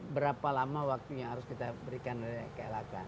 berapa lama waktunya harus kita berikan dari klhk